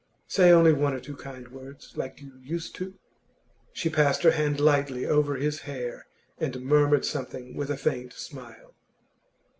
'Say only one or two kind words like you used to!' She passed her hand lightly over his hair, and murmured something with a faint smile.